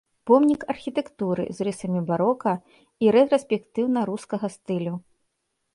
Помнік архітэктуры з рысамі барока і рэтраспектыўна-рускага стылю.